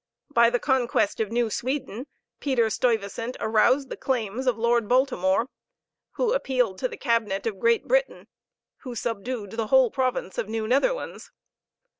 By the conquest of New Sweden Peter Stuyvesant aroused the claims of Lord Baltimore, who appealed to the Cabinet of Great Britain, who subdued the whole province of New Netherlands.